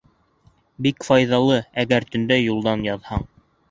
Бик тә файҙалы, әгәр төндә юлдан яҙһаң.